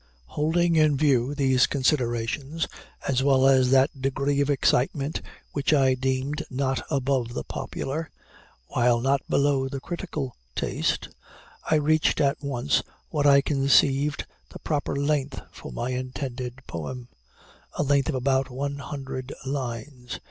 Holding in view these considerations, as well as that degree of excitement which I deemed not above the popular, while not below the critical, taste, I reached at once what I conceived the proper length for my intended poem a length of about one hundred lines.